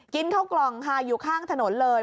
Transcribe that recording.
กินข้าวกล่องค่ะอยู่ข้างถนนเลย